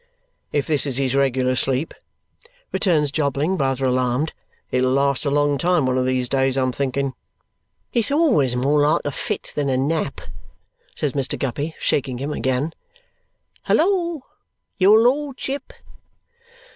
"If this is his regular sleep," returns Jobling, rather alarmed, "it'll last a long time one of these days, I am thinking." "It's always more like a fit than a nap," says Mr. Guppy, shaking him again. "Halloa, your lordship!